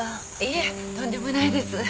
とんでもないです。